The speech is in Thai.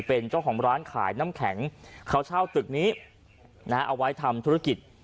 เป็นเจ้าของร้านขายน้ำแข็งเขาเช่าตึกนี้นะฮะเอาไว้ทำธุรกิจ